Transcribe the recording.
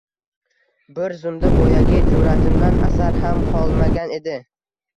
Bir zumda boyagi jur’atimdan asar ham qolmagan-di.